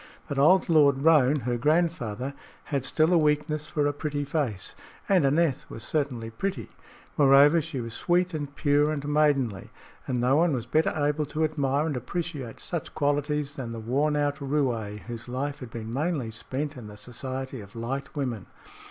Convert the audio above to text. But old Lord Roane, her grandfather, had still a weakness for a pretty face, and Aneth was certainly pretty. Moreover, she was sweet and pure and maidenly, and no one was better able to admire and appreciate such qualities than the worn out roué whose life had been mainly spent in the society of light women.